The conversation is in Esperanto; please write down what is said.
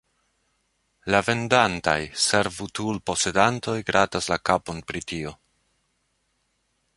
La vendantaj servutul-posedantoj gratas la kapon pri tio.